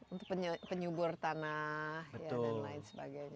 untuk penyubur tanah dan lain sebagainya